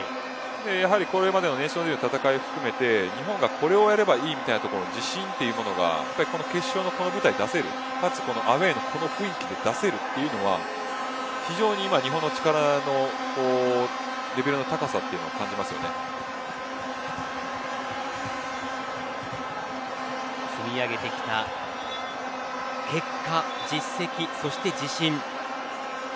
やはり、これまでのネーションズリーグの戦い含めて日本がこれをやればいいという自信というものが決勝のこの舞台で出せるかつ、アウェーの雰囲気で出せるというのは非常に今、日本の力のレベルの高さというのを積み上げてきた結果、実績、そして自信。